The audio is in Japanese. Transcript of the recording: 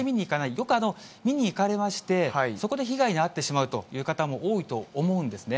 よく見に行かれまして、そこで被害に遭ってしまうという方も多いと思うんですね。